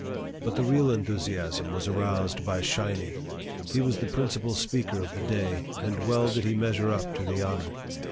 But the real enthusiasm was aroused by "Shiny." He was the principal speaker of the day, and well did he measure up to the honor.